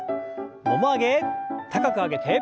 もも上げ高く上げて。